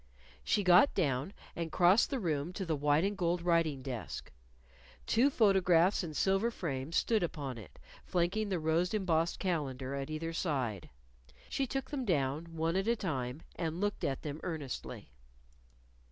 She got down and crossed the room to the white and gold writing desk. Two photographs in silver frames stood upon it, flanking the rose embossed calendar at either side. She took them down, one at a time, and looked at them earnestly.